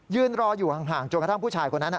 ยืนรออยู่ห่างจนกระทั่งผู้ชายคนนั้น